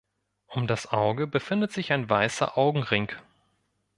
Um das Auge befindet sich ein weißer Augenring.